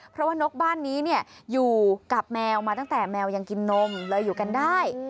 เพราะว่านกบ้านนี้อยู่กับแมวมาตั้งแต่แมวยังกินนมเลยอยู่กันได้